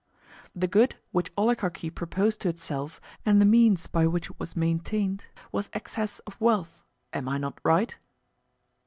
The good which oligarchy proposed to itself and the means by which it was maintained was excess of wealth—am I not right?